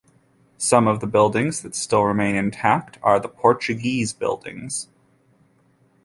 Some of the buildings that still remain intact are the Portuguese buildings.